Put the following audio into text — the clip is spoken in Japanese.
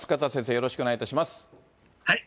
よろしくお願いします。